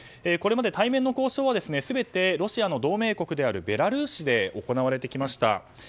これまで対面交渉は全てロシアの同盟国であるベラルーシで行われてきました。